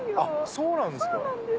そうなんです。